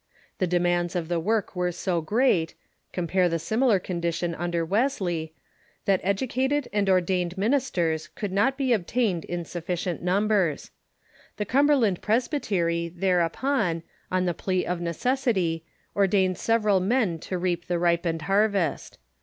The demands of the work were so great — compare the similar condition un der Wesley — that educated and ordained ministers could not be obtained in sufficient numbers. The Cumberland Presby tery thereupon, on the jjlea of necessity, ordained several men to reap the ripened harvest.